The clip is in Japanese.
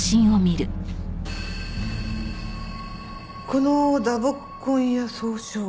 この打撲痕や創傷。